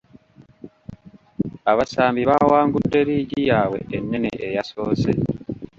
Abasambi baawangudde liigi yaabwe ennene eyasoose.